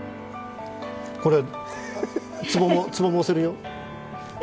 これツボも押せるよ。